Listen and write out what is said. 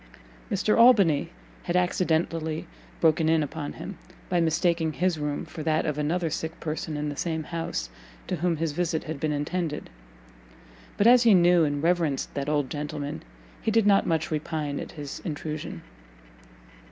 Mr. Albany had accidentally broken in upon him, by mistaking his room for that of another sick person in the same house, to whom his visit had been intended; but as he knew and reverenced that old gentleman, he did not much repine at his intrusion.